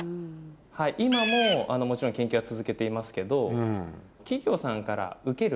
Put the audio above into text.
今ももちろん研究は続けていますけど。